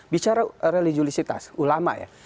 bicara religiulisitas ulama ya